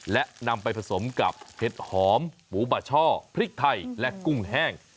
และนำไปผสมกับเห็ดหอมหมูบาช่อพริกไทยและกุ้งแห้ง